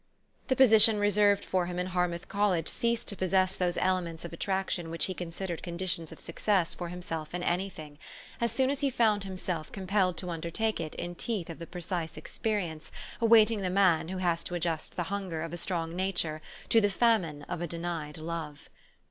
The position reserved for him in Harmouth Col ' lege ceased to possess those elements of attraction which he considered conditions of success for him self in any thing, as soon as he found himself com pelled to undertake it in teeth of the precise expe rience awaiting the man who has to adjust the hunger of a strong nature to the famine of a denied love.